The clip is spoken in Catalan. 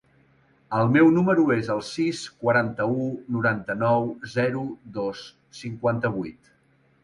El meu número es el sis, quaranta-u, noranta-nou, zero, dos, cinquanta-vuit.